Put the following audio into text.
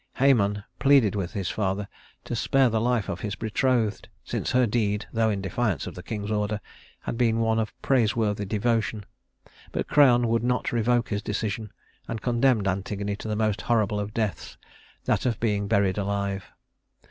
Hæmon pleaded with his father to spare the life of his betrothed, since her deed, though in defiance of the king's order, had been one of praiseworthy devotion; but Creon would not revoke his decision, and condemned Antigone to the most horrible of deaths that of being buried alive.